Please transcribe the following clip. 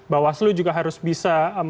bawaslu juga harus bisa